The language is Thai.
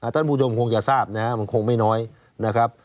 ท่านผู้ชมคงจะทราบนะครับมันคงไม่น้อยนะครับ